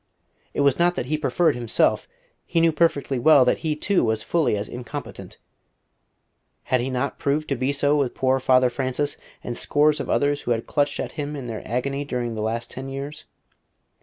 It was not that he preferred himself; he knew perfectly well that he, too, was fully as incompetent: had he not proved to be so with poor Father Francis, and scores of others who had clutched at him in their agony during the last ten years?